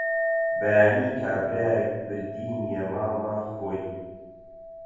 بەیانی کابرایەک بردینیە ماڵە خۆی